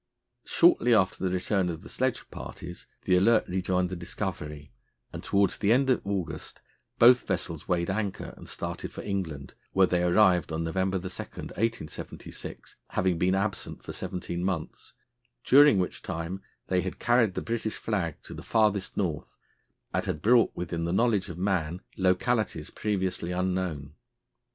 Shortly after the return of the sledge parties the Alert rejoined the Discovery, and, towards the end of August, both vessels weighed anchor and started for England, where they arrived on November 2, 1876, having been absent for seventeen months, during which time they had carried the British flag to the "farthest North," and had brought within the knowledge of man localities previously unknown.